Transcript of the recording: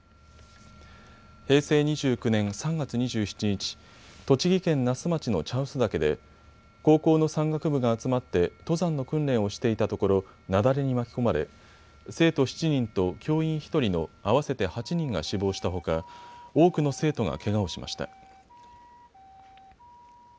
平成２９年３月２７日、栃木県那須町の茶臼岳で高校の山岳部が集まって登山の訓練をしていたところ雪崩に巻き込まれ生徒７人と教員１人の合わせて８人が死亡したほか多くの生徒がけがをしました。